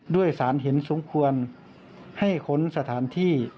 ด้วยสารเห็นสมควรให้ค้นสถานที่